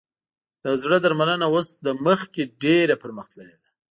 د زړه درملنه اوس له مخکې ډېره پرمختللې ده.